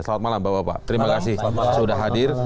selamat malam bapak bapak terima kasih sudah hadir